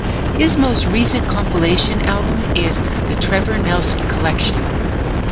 His most recent compilation album is "The Trevor Nelson Collection".